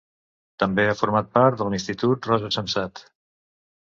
També ha format part de la Institució Rosa Sensat.